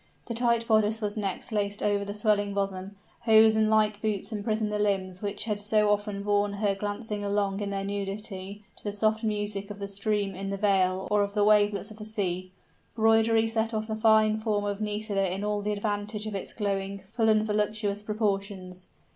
The tight bodice was next laced over the swelling bosom: hose and light boots imprisoned the limbs which had so often borne her glancing along in their nudity to the soft music of the stream in the vale or of the wavelets of the sea; broidery set off the fine form of Nisida in all the advantage of its glowing, full and voluptuous proportions.